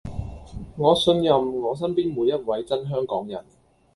我信任我身邊每一位真香港人